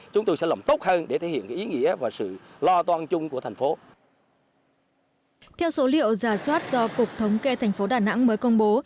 theo số liệu giả soát do cục thống kê thành phố đà nẵng mới công bố